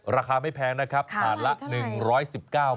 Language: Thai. ราคาไม่แพงนะครับถาดละ๑๑๙บาท